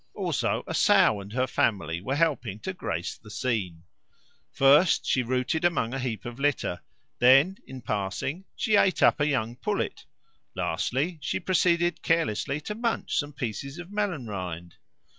Also, a sow and her family were helping to grace the scene. First, she rooted among a heap of litter; then, in passing, she ate up a young pullet; lastly, she proceeded carelessly to munch some pieces of melon rind.